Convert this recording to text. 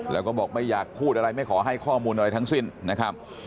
แล้วก็บอกไม่อยากพูดอะไรไม่ขอให้ข้อมูลอะไรทั้งสิ้นนะครับ